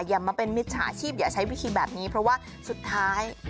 อย่ามาเป็นมิจฉาชีพอย่าใช้วิธีแบบนี้เพราะว่าสุดท้าย